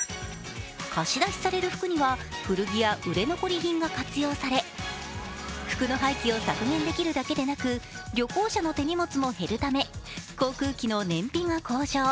貸し出しされる服には古着や売れ残り品が活用され服の廃棄を削減できるだけでなく、旅行者の手荷物も減るため航空機の燃費が向上。